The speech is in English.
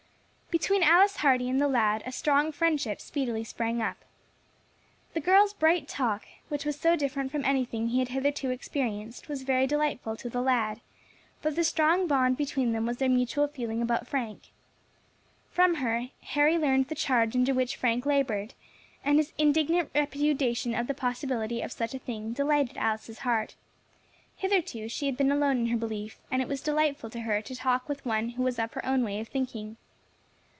Between Alice Hardy and the lad a strong friendship speedily sprang up. The girl's bright talk, which was so different from anything he had hitherto experienced was very delightful to the lad; but the strong bond between them was their mutual feeling about Frank. From her Harry learned the charge under which Frank laboured, and his indignant repudiation of the possibility of such a thing delighted Alice's heart; hitherto she had been alone in her belief, and it was delightful to her to talk with one who was of her own way of thinking.